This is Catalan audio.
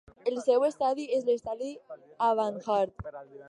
El seu estadi és l'estadi Avanhard.